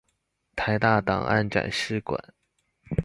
臺大檔案展示館